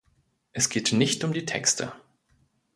Es geht nicht um die Texte.